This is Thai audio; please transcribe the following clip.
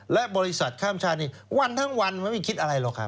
และบริษัทข้ามชาตินี้วันทั้งวันมันไม่คิดอะไรหรอกครับ